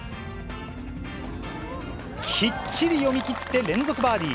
きっちり読み切って連続バーディー。